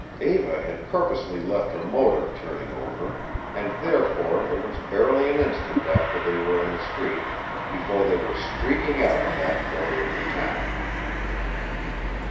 Eva had purposely left her motor turning over, and therefore it was barely an instant after they were in the street before they were streaking out of that quarter of the town.